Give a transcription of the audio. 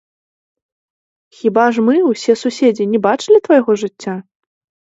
Хіба ж мы, усе суседзі, не бачылі твайго жыцця?